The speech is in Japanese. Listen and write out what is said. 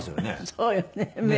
そうよね。